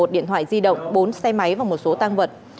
một mươi một điện thoại di động bốn xe máy và một số tang vật